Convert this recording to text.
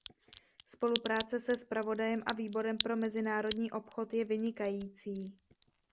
Spolupráce se zpravodajem a Výborem pro mezinárodní obchod je vynikající.